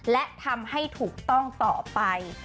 และทำให้ถูกต้องต่อไป